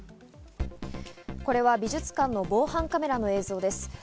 これは美術館の防犯カメラの映像です。